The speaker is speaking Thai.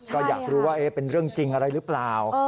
ก็อยากรู้ว่าเป็นเรื่องจริงอะไรหรือเปล่า